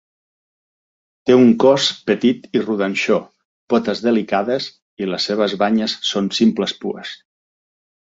Té un cos petit i rodanxó, potes delicades i les seves banyes són simples pues.